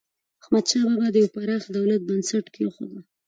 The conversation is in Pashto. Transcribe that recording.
احمدشاه بابا د یو پراخ دولت بنسټ کېښود.